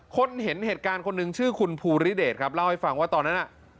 คนเห็นเหตุการณ์คนหนึ่งชื่อคุณภูริเดชครับเล่าให้ฟังว่าตอนนั้นน่ะ